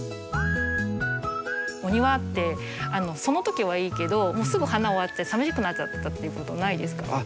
お庭ってその時はいいけどすぐ花終わってさみしくなっちゃったっていうことないですか？